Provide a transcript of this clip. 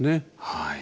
はい。